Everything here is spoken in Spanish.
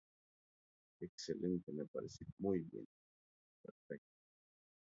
Las diferentes fases de la luna cambian su personalidad para mejor o peor.